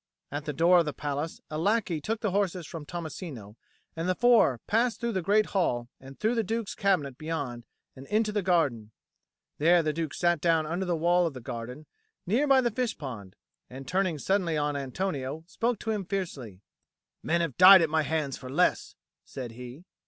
At the door of the palace, a lackey took the horses from Tommasino, and the four passed through the great hall and through the Duke's cabinet beyond and into the garden; there the Duke sat down under the wall of the garden, near by the fish pond, and turning suddenly on Antonio, spoke to him fiercely; "Men have died at my hands for less," said he.